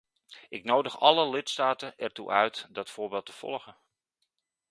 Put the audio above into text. Ik nodig alle lidstaten ertoe uit dat voorbeeld te volgen.